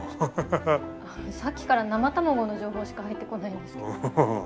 さっきから生卵の情報しか入ってこないんですけど。